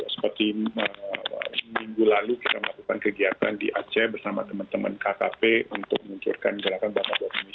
seperti minggu lalu kita melakukan kegiatan di aceh bersama teman teman kkp untuk meluncurkan gerakan bapak indonesia